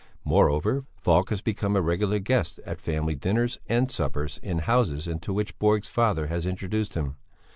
Moreover, Falk has become a regular guest at family dinners and suppers in houses into which Borg's father has introduced him.